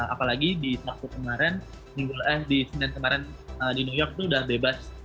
apalagi di waktu kemaren di senin kemaren di new york tuh udah bebas